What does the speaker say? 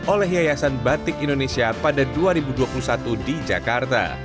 oleh yayasan batik indonesia pada dua ribu dua puluh satu di jakarta